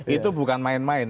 itu bukan main main